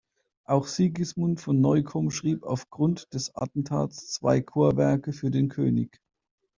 Auch Sigismund von Neukomm schrieb aufgrund des Attentats zwei Chorwerke für den König.